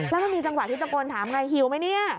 แล้วมันมีจังหวะที่ตะโกนถามไงหิวไหมเนี่ย